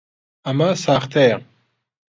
ئەمە ساختەیە؟